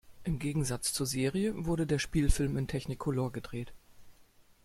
Im Gegensatz zur Serie wurde der Spielfilm in Technicolor gedreht.